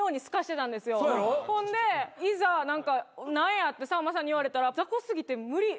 ほんでいざ「何や」ってさんまさんに言われたら雑魚過ぎて無理。